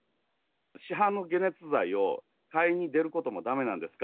市販の解熱剤を買いに出ることもだめなんですか？